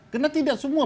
karena tidak semua